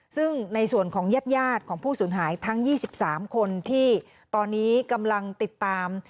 ซึ่งในส่วนของญาติของผู้สูญหายทั้ง๒๓คนที่ตอนนี้กำลังติดตาม